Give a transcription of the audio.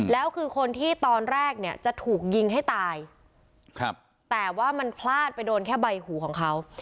แล้วคือคนที่ตอนแรกเนี่ยจะถูกยิงให้ตายครับแต่ว่ามันพลาดไปโดนแค่ใบหูของเขา